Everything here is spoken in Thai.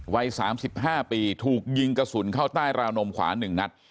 วัยสามสิบห้าปีถูกยิงกระสุนเข้าใต้ราวนมขวาหนึ่งนัด